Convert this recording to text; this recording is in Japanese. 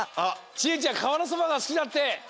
ちゆちゃんかわらそばがすきだって！